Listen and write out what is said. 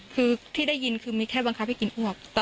คือที่ได้ยินคือมีแค่บังคับให้กินอ้วก